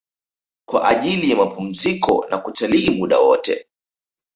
Kwa ajili ya mapumziko na kutalii muda wote